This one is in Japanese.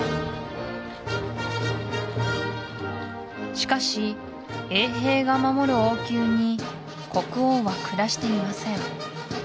しかし衛兵が守る王宮に国王は暮らしていません